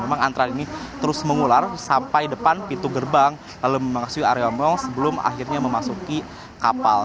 memang antrean ini terus mengular sampai depan pintu gerbang lalu memasuki area mal sebelum akhirnya memasuki kapal